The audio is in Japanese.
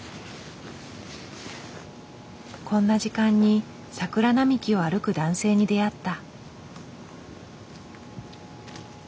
こんな時間に桜並木を歩く男性に出会った。